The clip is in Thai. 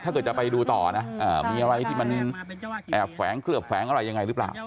จะไปดูต่อนะมีอะไรที่มันแอบแฝงเกลือบแฝงอะไรยังไงหรือเปล่า